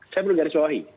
saya perlu garis bawahi